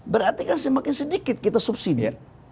berarti kan semakin sedikit kita subsidi ya